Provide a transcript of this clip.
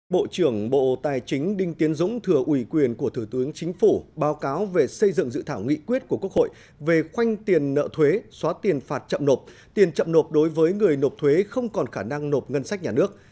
bộ trưởng bộ tài chính đinh tiến dũng thừa ủy quyền của thủ tướng chính phủ báo cáo về xây dựng dự thảo nghị quyết của quốc hội về khoanh tiền nợ thuế xóa tiền phạt chậm nộp tiền chậm nộp đối với người nộp thuế không còn khả năng nộp ngân sách nhà nước